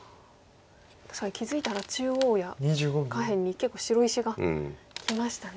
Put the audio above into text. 確かに気付いたら中央や下辺に結構石がきましたね。